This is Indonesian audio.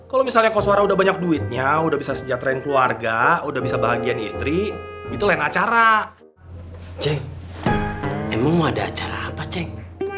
emang mau ada acara apa ceng